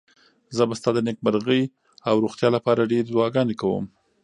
زه به ستا د نېکمرغۍ او روغتیا لپاره ډېرې دعاګانې کوم.